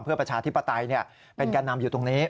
เพื่อประชาธิปไตยเป็นแก่นำอยู่ตรงนี้